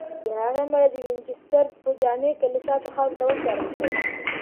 د هغې مړی د وینچسټر په جامع کلیسا کې خاورو ته وسپارل شو.